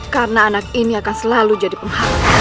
karena anak ini akan selalu berhutang dengan raka mukmarugun